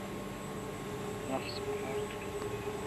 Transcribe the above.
• نفس مهار کړه.